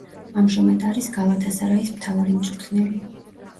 ამჟამად არის „გალათასარაის“ მთავარი მწვრთნელი.